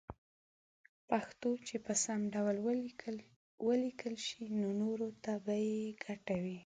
پښتو چې په سم ډول وليکلې شي نو نوره ته به يې ګټه وي